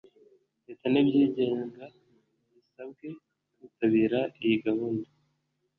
leta n ibyigenga zisabwe kwitabira iyi gahunda